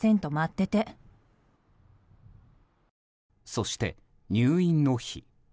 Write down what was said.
そして、入院の日。